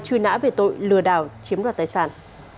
truy nã về tội lừa đảo chiếm đoạt tài sản